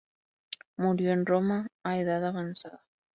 Murió en Roma a edad avanzada.